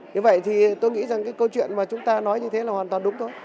như vậy thì tôi nghĩ rằng cái câu chuyện mà chúng ta nói như thế là hoàn toàn đúng thôi